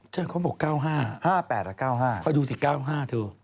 ๕๘๙๕เจ้าเขาบอก๙๕๕๘๙๕เขาดูสิ๙๕ดู